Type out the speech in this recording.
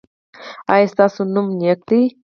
ایا ستاسو نوم نیک دی؟